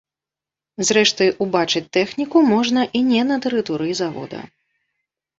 Зрэшты, убачыць тэхніку можна і не на тэрыторыі завода.